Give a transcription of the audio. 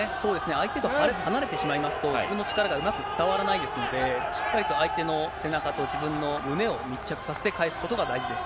相手と離れてしまいますと、自分の力がうまく伝わらないですので、しっかりと相手の背中と、自分の胸を密着させて返すことが大事です。